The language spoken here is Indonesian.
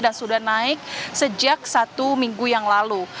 dan sudah naik sejak satu minggu yang lalu